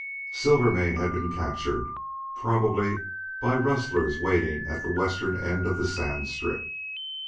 Silvermane had been captured, probably by rustlers waiting at the western edge of the sand strip.